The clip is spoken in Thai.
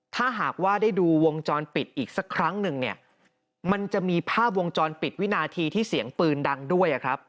ถ้าหากว่าได้ดูวงจรปิดอีกสักครั้งหนึ่งเนี่ยมันจะมีภาพวงจรปิดวินาทีที่เสียงปืนดังด้วยครับ